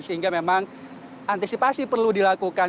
sehingga memang antisipasi perlu dilakukan